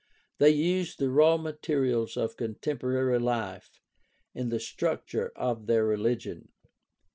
They used the raw materials of contemporary life in the structure of their religion.